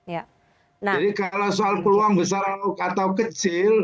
jadi kalau soal peluang besar atau kecil